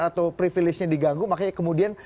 atau privilege nya diganggu makanya kemudian